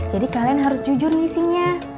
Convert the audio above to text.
jadi kalian harus jujur ngisinya